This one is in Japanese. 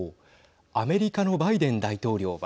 、アメリカのバイデン大統領は。